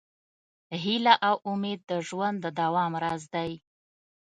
هیله او امید د ژوند د دوام راز دی.